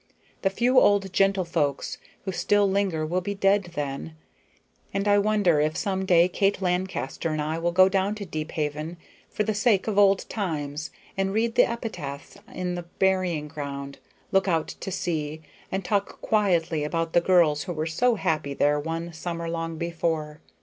The few old gentlefolks who still linger will be dead then; and I wonder if some day Kate Lancaster and I will go down to Deephaven for the sake of old times, and read the epitaphs in the burying ground, look out to sea, and talk quietly about the girls who were so happy there one summer long before.